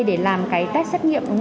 đến tết xét nghiệm